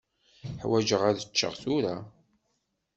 Ḥwaǧeɣ ad ččeɣ tura.